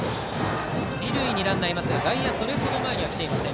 二塁にランナーがいますが外野はそれほど前には来ていません。